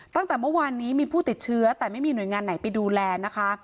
ตั้งแต่เมื่อวานนี้มีผู้ติดเชื้อแต่ไม่มีหน่วยงานไหนไปดูแลนะคะ